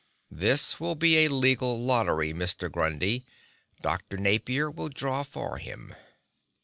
"This will be a legal lottery, Mr. Grundy. Dr. Napier will draw for him."